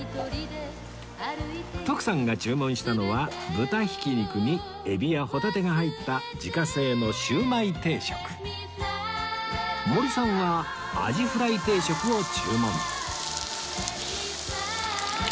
徳さんが注文したのは豚ひき肉にエビやホタテが入った自家製の森さんはあじフライ定食を注文